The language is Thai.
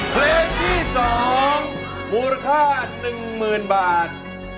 เพลงที่สองมูลค่าหนึ่งหมื่นบาท